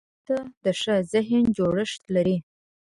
ځغاسته د ښه ذهن جوړښت لري